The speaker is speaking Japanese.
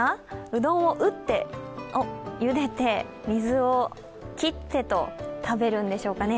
うどんを打って、ゆでて、水を切って食べるんでしょうかね。